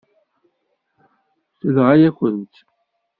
Tenɣa-yakent-t.